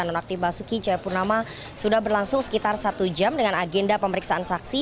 nonaktif basuki cahayapurnama sudah berlangsung sekitar satu jam dengan agenda pemeriksaan saksi